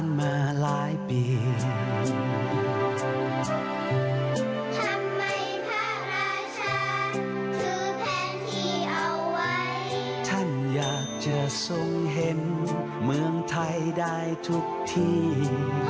เพราะอะไรพระราชาถึงต้องทำแบบนี้